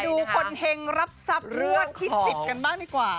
มาดูคนเห็นรับทรับงวดที่๑๐กันบ้างดีกว่า